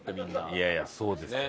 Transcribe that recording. いやいやそうですね